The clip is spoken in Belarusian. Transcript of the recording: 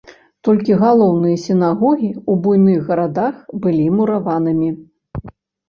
Толькі галоўныя сінагогі ў буйных гарадах былі мураванымі.